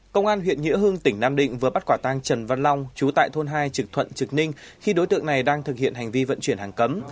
công an huyện nghĩa hương tỉnh nam định vừa bắt quả tăng trần văn long chú tại thôn hai trực thuận trực ninh khi đối tượng này đang thực hiện hành vi vận chuyển hàng cấm